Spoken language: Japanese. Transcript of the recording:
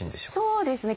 そうですね。